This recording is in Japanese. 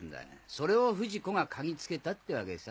それを不二子が嗅ぎつけたってわけさ。